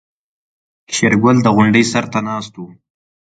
شېرګل د غونډۍ سر ته ناست و.